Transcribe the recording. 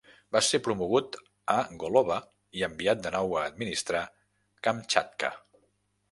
Va ser promogut a Golova i enviat de nou a administrar Kamchatka.